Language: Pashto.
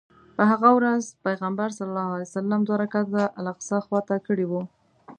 په هغه ورځ پیغمبر صلی الله علیه وسلم دوه رکعته الاقصی خواته کړی و.